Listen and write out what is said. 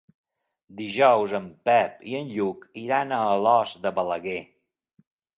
Dijous en Pep i en Lluc iran a Alòs de Balaguer.